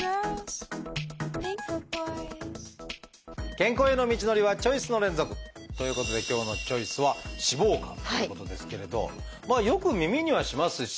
健康への道のりはチョイスの連続！ということで今日の「チョイス」はまあよく耳にはしますし。